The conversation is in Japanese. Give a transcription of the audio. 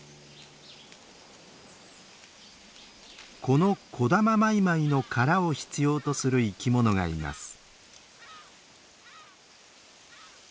このコダママイマイの殻を必要とする生き物がいます。